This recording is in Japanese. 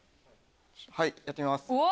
はいやってみます。